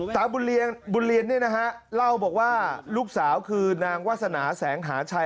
บุญเรียนเนี่ยนะฮะเล่าบอกว่าลูกสาวคือนางวาสนาแสงหาชัย